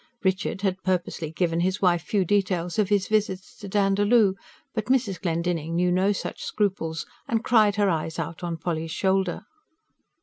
Richard had purposely given his wife few details of his visits to Dandaloo; but Mrs. Glendinning knew no such scruples, and cried her eyes out on Polly's shoulder.